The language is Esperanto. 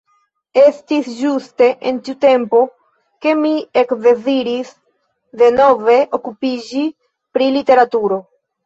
Estis ĝuste en tiu tempo, ke mi ekdeziris denove okupiĝi pri literaturo.